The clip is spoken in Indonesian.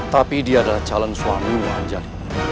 tapi dia adalah calon suamimu anjali